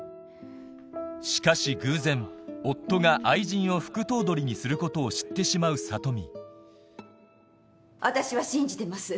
しかし偶然夫が愛人を副頭取にすることを知ってしまう里美私は信じてます。